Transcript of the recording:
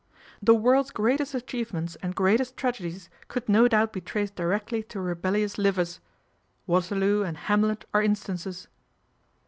" The world's greatest achievements and greatest tragedies could no doubt be traced directly to rebellious livers : Waterloo and ' Ham let ' are instances."